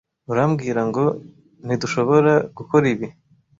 Urambwira ngo ntidushobora gukora ibi?